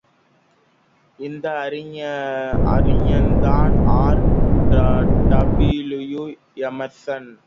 இந்த அறிஞர்தான் R W Emerson.